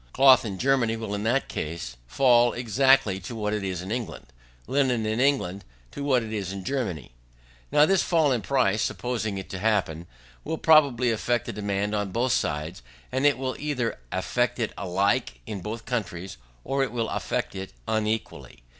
Cloth, in Germany, will in that case fall exactly to what it is in England; linen in England, to what it is in Germany. Now this fall of price, supposing it to happen, will probably affect the demand on both sides; and it will either affect it alike in both countries, or it will affect it unequally.